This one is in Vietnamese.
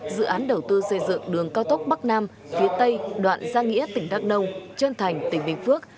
dự án đầu tư xây dựng đường cao tốc bắc nam phía tây đoạn giang nghĩa tỉnh đắk nông trơn thành tỉnh bình phước